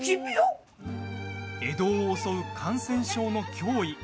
江戸を襲う感染症の脅威。